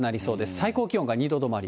最高気温が２度止まり。